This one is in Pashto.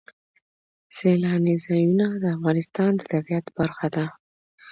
سیلانی ځایونه د افغانستان د طبیعت برخه ده.